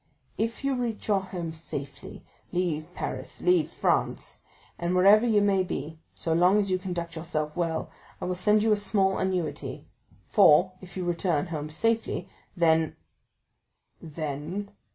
"If you reach your home safely, leave Paris, leave France, and wherever you may be, so long as you conduct yourself well, I will send you a small annuity; for, if you return home safely, then——" "Then?"